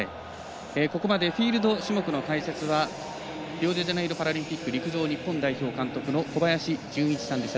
ここまでフィールド種目の解説はリオデジャネイロパラリンピック陸上日本代表監督の小林順一さんでした。